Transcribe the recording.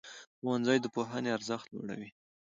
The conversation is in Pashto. ښوونځی د پوهنې ارزښت لوړوي.